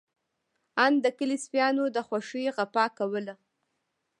آن د کلي سپيانو د خوښۍ غپا کوله.